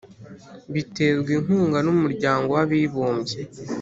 Biterwa inkunga n’umuryango w Abibumbye